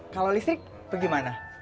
kalau listrik bagaimana